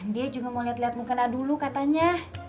dia juga mau liat liat mukena dulu katanya